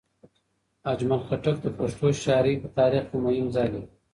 اجمل خټک د پښتو شاعرۍ په تاریخ کې مهم ځای لري.